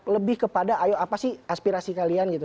lebih kepada ayo apa sih aspirasi kalian gitu